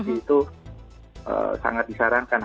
itu sangat disarankan